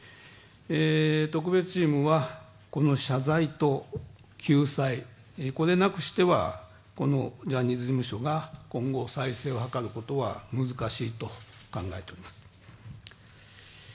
特別チームは、この謝罪と救済これなくしては、このジャニーズ事務所が今後、再生を図ることは難しいと考えています。